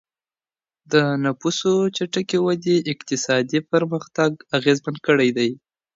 د نفوسو چټکې ودي اقتصادي پرمختګ اغیزمن کړی دی.